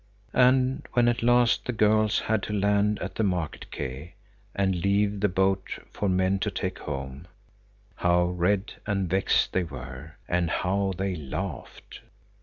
And when at last the girls had to land at the market quay, and leave the boat for men to take home, how red and vexed they were, and how they laughed!